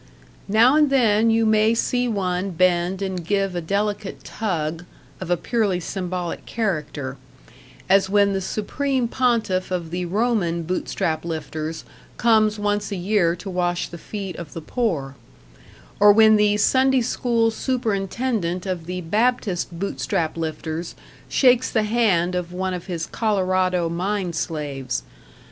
Now and then you may see one bend and give a delicate tug, of a purely symbolical character: as when the Supreme Pontiff of the Roman Bootstrap lifters comes once a year to wash the feet of the poor; or when the Sunday school Superintendent of the Baptist Bootstrap lifters shakes the hand of one of his Colorado mine slaves.